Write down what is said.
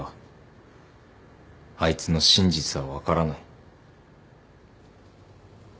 あいつの真実は分からない。